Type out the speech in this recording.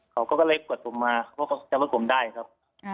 เขาก็เลยกวดผมมาเพราะเขาจำว่าผมได้ครับ